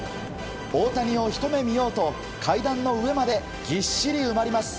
大谷をひと目見ようと階段の上までぎっしり埋まります。